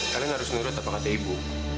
kalian harus nurut apa kata ibu